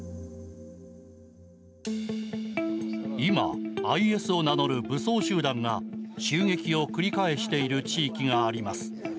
今、ＩＳを名乗る武装集団が襲撃を繰り返している地域があります。